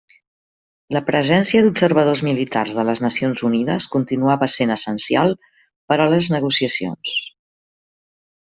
La presència d'observadors militars de les Nacions Unides continuava sent essencial per a les negociacions.